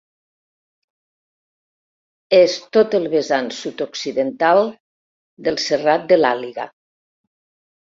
És tot el vessant sud-occidental del Serrat de l'Àliga.